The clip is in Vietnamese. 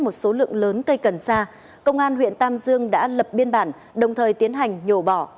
một số lượng lớn cây cần sa công an huyện tam dương đã lập biên bản đồng thời tiến hành nhổ bỏ